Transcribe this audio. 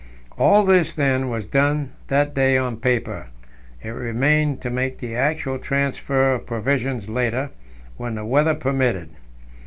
All this, then, was done that day on paper. It remained to make the actual transfer of provisions later, when the weather permitted.